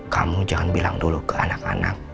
kamu jangan bilang dulu ke anak anak